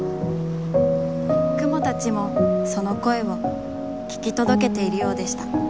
雲たちもその声を、ききとどけているようでした。